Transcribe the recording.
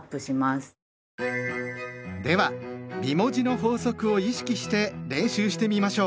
では美文字の法則を意識して練習してみましょう！